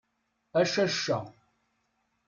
A cacca!